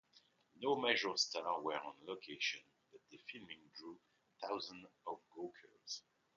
No major stars were on location, but the filming drew thousands of gawkers.